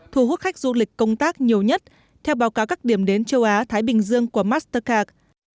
thu hút khách du lịch công tác nhiều nhất theo báo cáo các điểm đến châu á thái bình dương của mastercard